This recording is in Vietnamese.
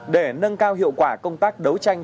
để nâng cao hiệu quả công tác đấu tranh